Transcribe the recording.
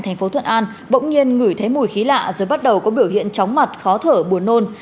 thành phố thuận an bỗng nhiên ngửi thấy mùi khí lạ rồi bắt đầu có biểu hiện chóng mặt khó thở buồn nôn